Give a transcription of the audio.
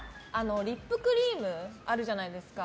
リップクリームあるじゃないですか。